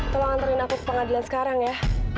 tolong antarin aku ke pengadilan sekarang ya